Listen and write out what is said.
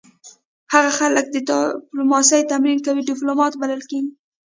هغه خلک چې ډیپلوماسي تمرین کوي ډیپلومات بلل کیږي